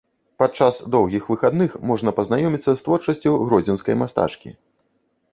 Падчас доўгіх выхадных можна пазнаёміцца з творчасцю гродзенскай мастачкі.